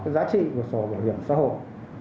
giá trị của sổ bảo hiểm xã hội